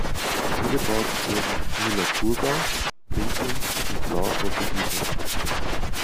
Angebaut wurden Müller-Thurgau, Riesling und Blauer Portugieser.